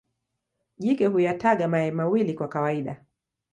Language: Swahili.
Jike huyataga mayai mawili kwa kawaida.